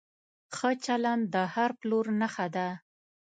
ښه چلند د هر پلور نښه ده.